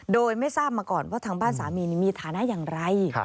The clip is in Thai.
โดยไม่ทราบมาก่อนว่าทางบ้านสามีมีฐานะอย่างไร